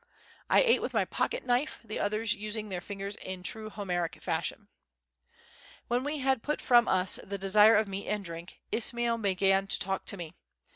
I ate with my pocket knife, the others using their fingers in true Homeric fashion. When we had put from us "the desire of meat and drink," Ismail began to talk to me.